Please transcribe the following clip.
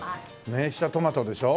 ねえ下トマトでしょ？